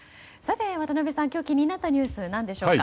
渡辺さん、今日気になったニュース何でしょうか。